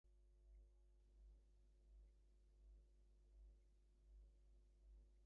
তবে ঐ শৈলোপদেশকে আমাদের জীবনের পথপ্রদর্শকরূপে গ্রহণ করিলে আমাদের কোন বিপদের সম্ভাবনা নাই।